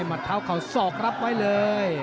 มัดเท้าเข่าศอกรับไว้เลย